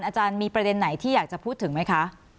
อาจารย์มีประเด็นไหนที่อยากจะพูดถึงไหมคะ